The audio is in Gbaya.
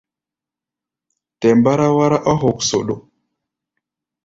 Tɛ mbáráwárá ɔ́ hoksoɗo.